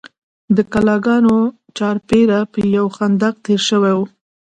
د کلاګانو چارپیره به یو خندق تیر شوی و.